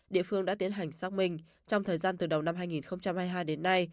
địa phương đã tiến hành xác minh trong thời gian từ đầu năm hai nghìn hai mươi hai đến nay